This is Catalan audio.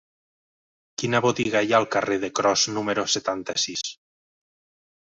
Quina botiga hi ha al carrer de Cros número setanta-sis?